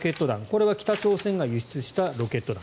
これは北朝鮮が輸出したロケット弾。